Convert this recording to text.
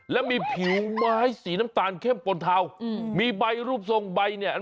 แล้วมีผิวไม้สีน้ำตาลเข้มปนเทามีใบรูปทรงใบเนี่ย